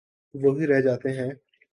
وہی رہ جاتے ہیں۔